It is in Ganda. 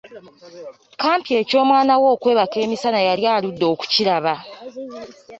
Kampi eky'omwana we okwebaka emisana yali aludde okukiraba.